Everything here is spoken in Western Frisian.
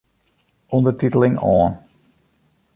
Undertiteling oan.